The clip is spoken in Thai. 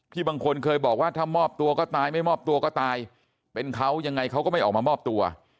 บางคนเคยบอกว่าถ้ามอบตัวก็ตายไม่มอบตัวก็ตายเป็นเขายังไงเขาก็ไม่ออกมามอบตัว